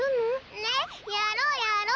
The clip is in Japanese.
ねっやろうやろう。